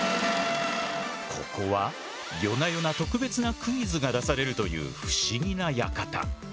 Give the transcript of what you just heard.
ここは夜な夜な特別なクイズが出されるという不思議な館。